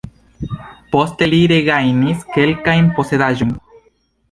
Poste li regajnis kelkajn posedaĵojn.